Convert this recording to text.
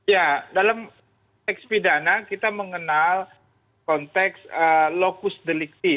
ya dalam teks pidana kita mengenal konteks lokus delikti